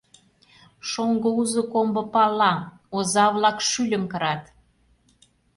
Шоҥго узо комбо пала: оза-влак шӱльым кырат.